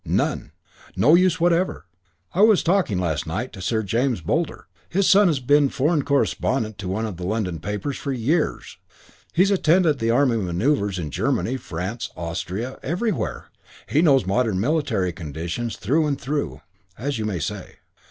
None. No use whatever. I was talking last night to Sir James Boulder. His son has been foreign correspondent to one of the London papers for years. He's attended the army manoeuvres in Germany, France, Austria everywhere. He knows modern military conditions through and through, as you may say.